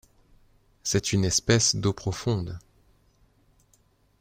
C'est une espèce d'eaux profondes.